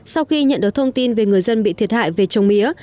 sau khi nhận được thông tin về người dân bị thiệt hại về trồng mía